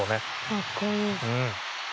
かっこいい。